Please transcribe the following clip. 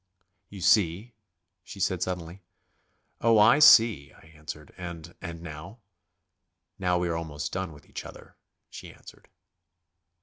"You see?" she said suddenly. "Oh, I see," I answered "and ... and now?" "Now we are almost done with each other," she answered.